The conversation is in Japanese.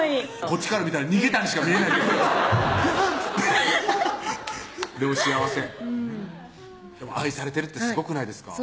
こっちから見たら逃げたにしか見えないですけどでも幸せ愛されてるってすごくないですか？